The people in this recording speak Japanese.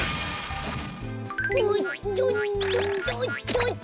おっとっとっとっとっと。